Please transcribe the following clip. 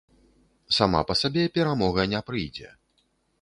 Сама па сабе перамога не прыйдзе.